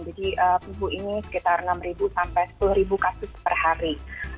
jadi minggu ini sekitar enam sampai sepuluh kasus per hari